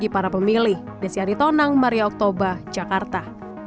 para pemilih desyari tonang maria oktober jakarta